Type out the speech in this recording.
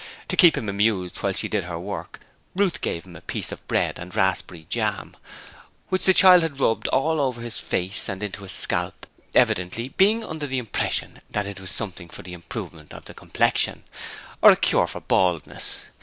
To keep him amused while she did her work, Ruth had given him a piece of bread and raspberry jam, which the child had rubbed all over his face and into his scalp, evidently being under the impression that it was something for the improvement of the complexion, or a cure for baldness.